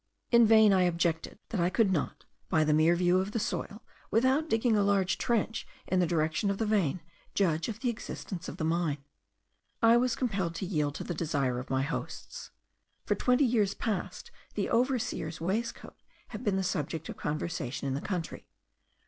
In vain I objected, that I could not, by the mere view of the soil, without digging a large trench in the direction of the vein, judge of the existence of the mine; I was compelled to yield to the desire of my hosts. For twenty years past the overseer's waistcoat had been the subject of conversation in the country.